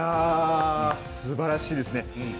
すばらしいですね。